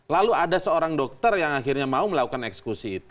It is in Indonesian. lalu ada seorang dokter yang akhirnya mau melakukan eksekusi itu